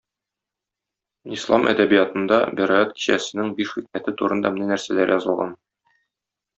Ислам әдәбиятында Бәраәт кичәсенең биш хикмәте турында менә нәрсәләр язылган.